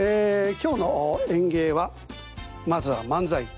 今日の演芸はまずは漫才。